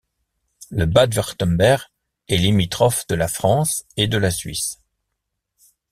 Le Bade-Wurtemberg est limitrophe de la France et de la Suisse.